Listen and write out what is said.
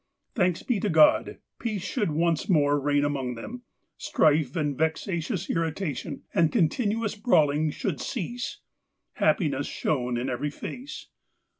''Thanks be to God, peace should once more reign among them. Strife and vexatious irritation and con tinuous brawling should cease." Happiness shone in every face.